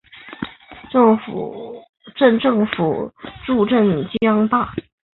镇政府驻镇江圩。